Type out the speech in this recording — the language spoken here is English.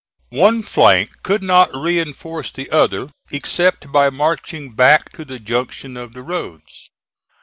One flank could not reinforce the other except by marching back to the junction of the roads.